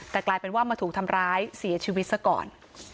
แต่กลายเป็นว่ามาถูกทำร้ายเสียชีวิตซะก่อน